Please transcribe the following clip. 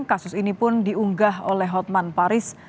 kasus ini pun diunggah oleh hotman paris